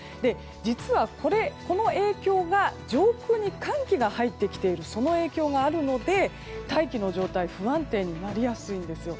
実は、この影響が上空に寒気が入ってきているその影響があるので大気の状態、不安定になりやすいんですよ。